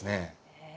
へえ。